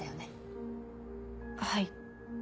はい。